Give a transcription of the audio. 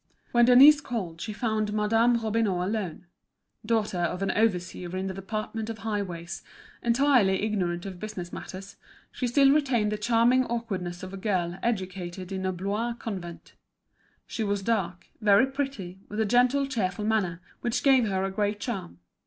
When Denise called she found Madame Robineau alone. Daughter of an overseer in the Department of Highways, entirely ignorant of business matters, she still retained the charming awkwardness of a girl educated in a Blois convent She was dark, very pretty, with a gentle, cheerful manner, which gave her a great charm.